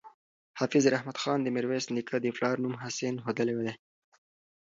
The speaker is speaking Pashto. حافظ رحمت خان د میرویس نیکه د پلار نوم حسین ښودلی دی.